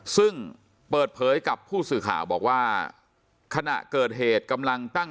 ซึ่งเปิดเผยกับผู้สื่อข่าวบอกว่าขณะเกิดเหตุกำลังตั้ง